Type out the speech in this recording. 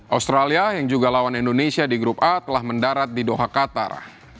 australia yang juga lawan indonesia di grup a telah mendarat di doha qatar